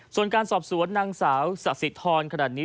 ส่วนการสอบสวนนางสาวสะสิทรขนาดนี้